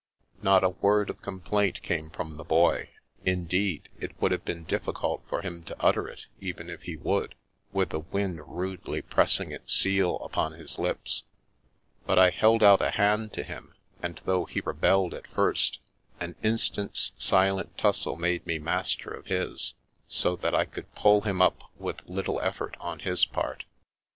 Not a word of complaint came from the Boy; in deed, it would have been difficult for him to utter it, even if he would, with the wind rudely pressing its seal upon his lips. But I held out a hand to him, and though he rebelled at first, an instant's silent tussle made me master of his, so that I could pull him up with little effort on his part.